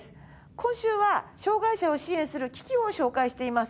今週は障がい者を支援する機器を紹介しています。